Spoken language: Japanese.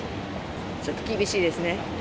ちょっと厳しいですね。